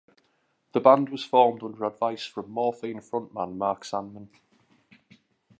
The band was formed under advice from Morphine frontman Mark Sandman.